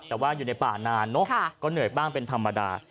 แต่ว่าอยู่ในป่านานเนอะก็เหนื่อยบ้างเป็นธรรมดา